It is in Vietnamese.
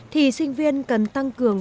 thì sinh viên cần tăng cường